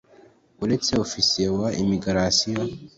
uretse ofisiye wa imigarasiyo,